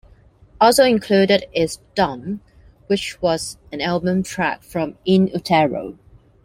Also included is "Dumb" which was an album track from "In Utero".